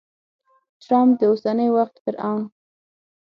ټرمپ د اوسني وخت فرعون!